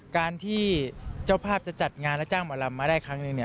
การที่เจ้าภาพจะจัดงานและจ้างหมอลำมาได้ครั้งนึงเนี่ย